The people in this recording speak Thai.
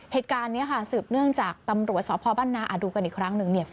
เหตุการณ์นี้ค่ะสืบเนื่องจากตำรวจสพบ้านนาดูกันอีกครั้งหนึ่งเนี่ย